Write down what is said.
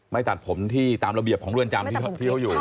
ตัดผมที่ตามระเบียบของเรือนจำที่เขาอยู่